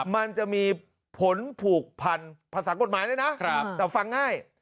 มันจะมีผลผูกพันภาษากฎหมายด้วยนะแต่ฟังง่าย